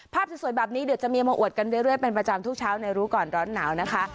ภาพสวยแบบนี้เดี๋ยวจะมีมาอวดกันเรื่อยเป็นประจำทุกเช้าในรู้ก่อนร้อนหนาวนะคะ